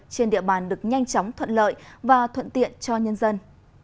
trên địa bàn được nhanh chóng thuận lợi và thuận tiện cho nhân dân